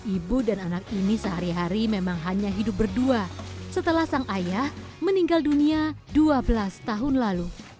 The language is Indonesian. ibu dan anak ini sehari hari memang hanya hidup berdua setelah sang ayah meninggal dunia dua belas tahun lalu